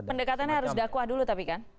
pendekatannya harus dakwah dulu tapi kan